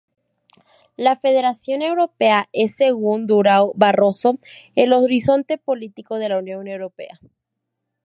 La federación europea, es según Durão Barroso, el horizonte político de la Unión Europea.